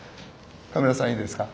カメラさんいいですか？